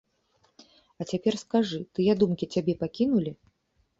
А цяпер скажы, тыя думкі цябе пакінулі?